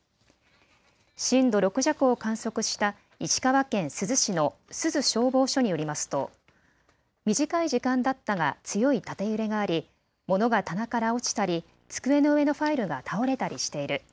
震度６弱を観測した石川県珠洲市の珠洲消防署によりますと短い時間だったが強い縦揺れがあり、物が棚から落ちたり机の上のファイルが倒れたりしている。